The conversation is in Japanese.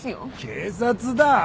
警察だあ？